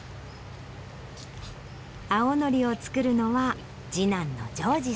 青のりを作るのは次男の丈二さん。